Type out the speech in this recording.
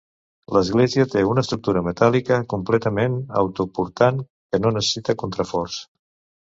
L'església té una estructura metàl·lica completament autoportant, que no necessita contraforts.